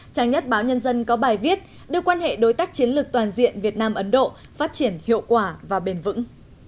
trang nhất báo nhân dân có bài viết đưa quan hệ đối tác chiến lược toàn diện việt nam ấn độ phát triển hiệu quả và bền vững